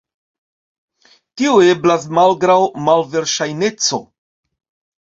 Tio eblas malgraŭ malverŝajneco.